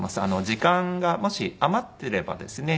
時間がもし余っていればですね